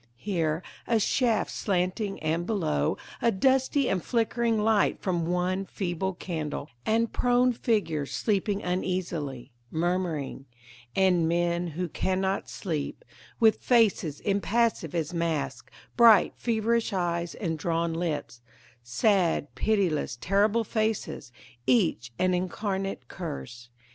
Here a shaft, slanting, and below A dusty and flickering light from one feeble candle And prone figures sleeping uneasily, Murmuring, And men who cannot sleep, With faces impassive as masks, Bright, feverish eyes, and drawn lips, Sad, pitiless, terrible faces, Each an incarnate curse.